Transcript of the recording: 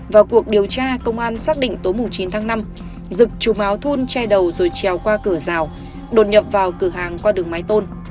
vào cuộc điều tra công an xác định tối chín tháng năm rực trùm áo thun chai đầu rồi trèo qua cửa rào đột nhập vào cửa hàng qua đường máy tôn